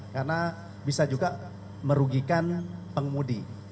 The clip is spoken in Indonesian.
karena bisa juga merugikan pengemudi